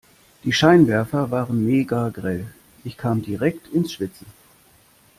Die Scheinwerfer waren megagrell. Ich kam direkt ins Schwitzen.